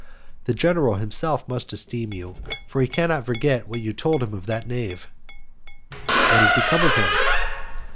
The general himself must esteem you, for he cannot forget what you told him of that knave." "What has become of him?"